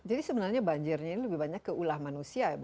jadi sebenarnya banjir ini lebih banyak ke ulah manusia ya